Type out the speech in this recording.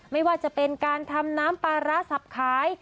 ไม่ว่าจะเป็นการทำน้ำปลาร้าสับขาย